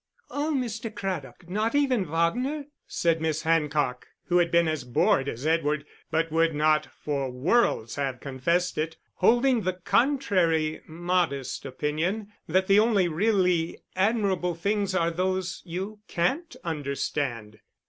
"Oh, Mr. Craddock, not even Wagner?" said Miss Hancock, who had been as bored as Edward, but would not for worlds have confessed it; holding the contrary modest opinion, that the only really admirable things are those you can't understand.